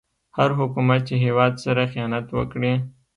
هر حکومت چې هيواد سره خيانت وکړي